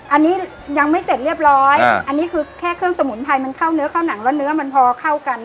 อันนี้ยังไม่เสร็จเรียบร้อยอันนี้คือแค่เครื่องสมุนไพรมันเข้าเนื้อเข้าหนังแล้วเนื้อมันพอเข้ากัน